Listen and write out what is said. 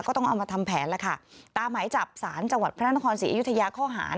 ก็ต้องเอามาทำแผนตามไหมจับสารจังหวัดพระนักฐานศิริอียุทยาข้อหา